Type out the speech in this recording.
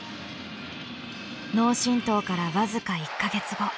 脳震とうから僅か１か月後